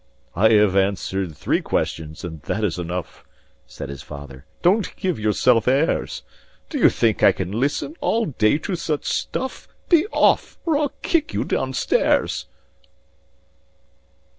"I have answered three questions, and that is enough," Said his father. "Don't give yourself airs! Do you think I can listen all day to such stuff? Be off, or I'll kick you down stairs.